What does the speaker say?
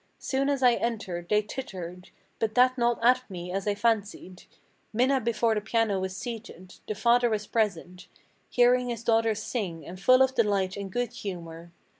Soon as I entered, they tittered; but that not at me, as I fancied. Minna before the piano was seated; the father was present, Hearing his daughters sing, and full of delight and good humor.